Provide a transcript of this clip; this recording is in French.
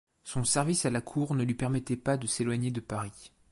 Son service à la cour ne lui permettait pas de s’éloigner de Paris.